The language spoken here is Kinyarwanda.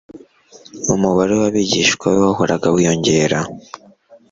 Umubare w'abigishwa be wahoraga wiyongera.